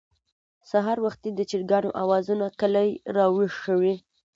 سهار وختي د چرګانو اوازونه کلى راويښوي.